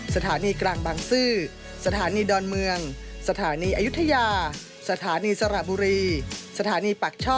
สถานีกลางบางซื่อสถานีดอลเมืองสถานีอายุธยาสถานีสหราบุรี